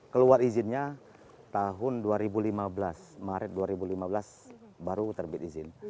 keluar izinnya tahun dua ribu lima belas maret dua ribu lima belas baru terbit izin